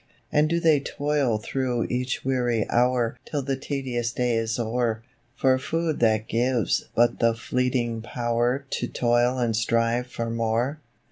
And do they toil through each weary hour Till the tedious day is o'er, For food that gives but the fleeting power To toil and strive for more?